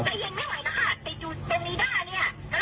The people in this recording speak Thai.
เจอกูแจ้งว่า